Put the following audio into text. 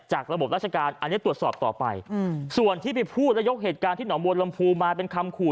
ระบบราชการอันนี้ตรวจสอบต่อไปส่วนที่ไปพูดแล้วยกเหตุการณ์ที่หนองบัวลำพูมาเป็นคำขู่